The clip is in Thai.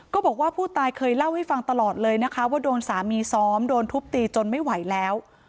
ก็บอกว่าผู้ตายเคยเล่าให้ฟังตลอดเลยนะคะว่าโดนสามีซ้อมโดนทุบตีจนไม่ไหวแล้ว